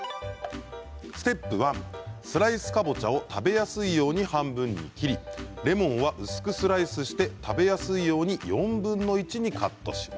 ステップ１、スライスかぼちゃを食べやすいように半分に切りレモンは薄くスライスして食べやすいように４分の１にカット。